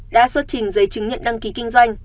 đã xuất trình giấy chứng nhận đăng ký kinh doanh